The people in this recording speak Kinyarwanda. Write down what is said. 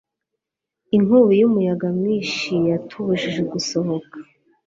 inkubi y'umuyaga mwinshi yatubujije gusohoka